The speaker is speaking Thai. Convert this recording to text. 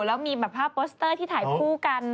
แล้วมีแบบภาพโปสเตอร์ที่ถ่ายคู่กัน